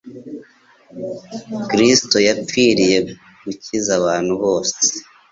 Kristo yapfiriye gukiza abantu bose.